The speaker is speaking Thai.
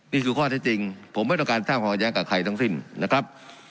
นี่คือข้อเท็จจริงผมไม่ต้องการสร้างความแย้งกับใครทั้งสิ้นนะครับ